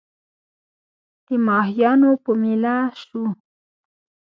د ماهیانو په مېله سوو